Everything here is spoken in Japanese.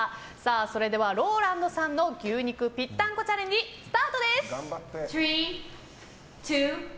それではＲＯＬＡＮＤさんの牛肉ぴったんこチャレンジスタートです！